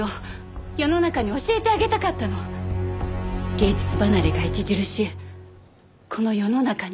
芸術離れが著しいこの世の中に。